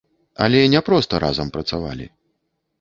Але не проста разам працавалі.